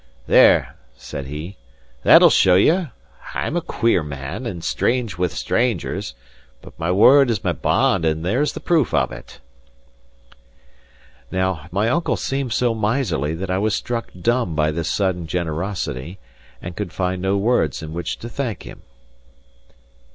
"There," said he, "that'll show you! I'm a queer man, and strange wi' strangers; but my word is my bond, and there's the proof of it." Now, my uncle seemed so miserly that I was struck dumb by this sudden generosity, and could find no words in which to thank him.